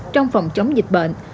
trong phòng chống dịch bệnh